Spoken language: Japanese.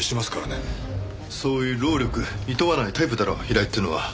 そういう労力いとわないタイプだろ平井っていうのは。